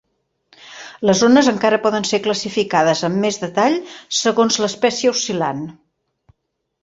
Les ones encara poden ser classificades amb més detall, segons l'espècie oscil·lant.